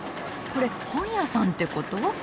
これ本屋さんって事？